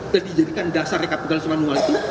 dan dijadikan dasar rekap bekas manual itu